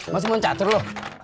masih main catur lo